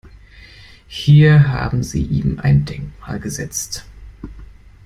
Hier haben Sie ihm ein Denkmal gesetzt.